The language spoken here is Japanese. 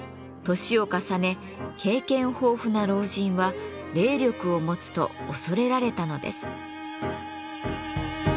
年を重ね経験豊富な老人は霊力を持つと恐れられたのです。